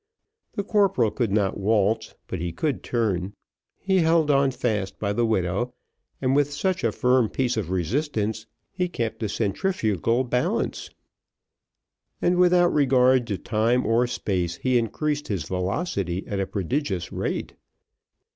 The corporal could not waltz, but he could turn he held on fast by the widow, and with such a firm piece of resistance he kept a centrifugal balance, and without regard to time or space, he increased his velocity at a prodigious rate.